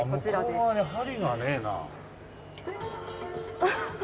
向こう側に針がねえな。